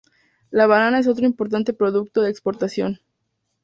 La banana es otro importante producto de exportación.